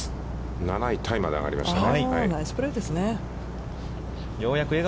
７位タイまで上がりましたね。